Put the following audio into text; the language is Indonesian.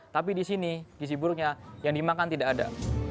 tapi di sini gizi buruknya yang dimakan tidak ada